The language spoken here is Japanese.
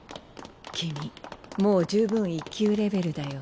君もう十分１級レベルだよ。